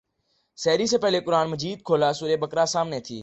سحری سے پہلے قرآن مجید کھولا سورہ بقرہ سامنے تھی۔